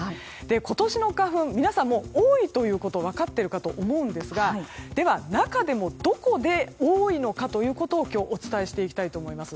今年の花粉皆さんも多いということを分かっているかと思うんですがでは、中でもどこで多いのかということを今日、お伝えしていきたいと思います。